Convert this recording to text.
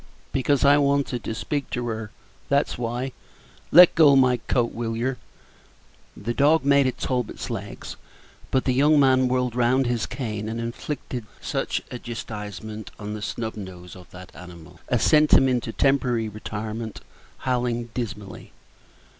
"Because I wanted to speak to her, that's why. Let go my coat, will yer?" The dog made at Talbot's legs, but the young man whirled round his cane and inflicted such a chastisement upon the snub nose of that animal as sent him into temporary retirement, howling dismally.